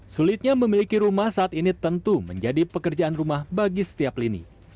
sulitnya memiliki rumah saat ini tentu menjadi pekerjaan rumah bagi setiap lini